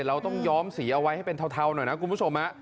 เราต้องย้อมสีเอาไว้ให้เป็นเทาหน่อยนะคุณผู้ชม